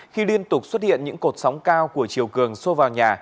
khi liên tục xuất hiện những cột sóng cao của chiều cường xô vào nhà